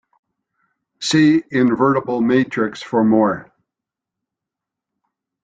See invertible matrix for more.